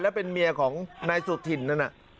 และเป็นเมียของนายสุธินนั่นน่ะ